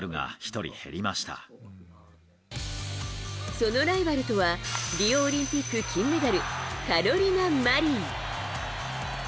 そのライバルとはリオオリンピック金メダルカロリナ・マリン。